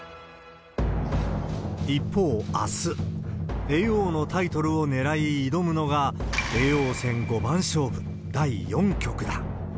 一方、あす、叡王のタイトルを狙い挑むのが、叡王戦五番勝負第４局だ。